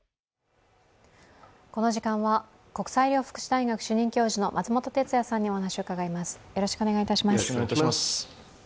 この時間は国際医療福祉大学主任教授の松本哲哉さんにお話を伺います。